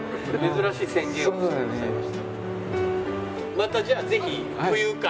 またじゃあぜひ冬か。